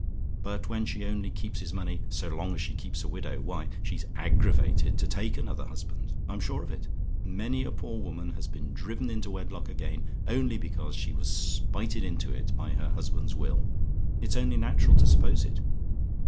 But when she only keeps his money so long as she keeps a widow, why, she's aggravated to take another husband. I'm sure of it; many a poor woman has been driven into wedlock again, only because she was spited into it by her husband's will. It's only natural to suppose it.